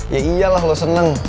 ya iyalah lo seneng